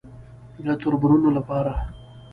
_د تربرونو له پاره.